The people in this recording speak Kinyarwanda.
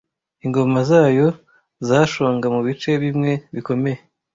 Ingoma zayo zashonga mubice bimwe bikomeye--